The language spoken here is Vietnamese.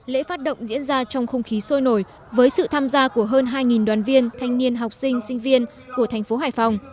lễ phát động diễn ra trong không khí sôi nổi với sự tham gia của hơn hai đoàn viên thanh niên học sinh sinh viên của thành phố hải phòng